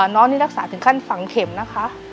น้องนี่รักษาถึงขั้นฝังเข็มนะคะ